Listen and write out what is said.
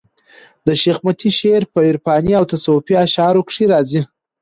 د شېخ متي شعر په عرفاني او تصوفي اشعارو کښي راځي.